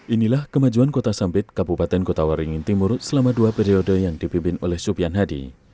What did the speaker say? inilah kemajuan kota sampit kabupaten kota waringin timur selama dua periode yang dipimpin oleh supian hadi